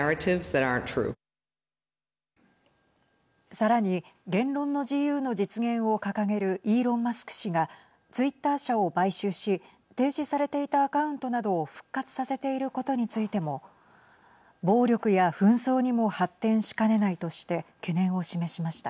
さらに言論の自由の実現を掲げるイーロン・マスク氏がツイッター社を買収し停止されていたアカウントなどを復活させていることについても暴力や紛争にも発展しかねないとして懸念を示しました。